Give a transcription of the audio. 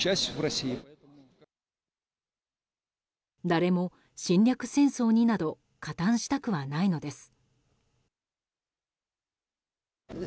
誰も侵略戦争になど加担したくはないのです。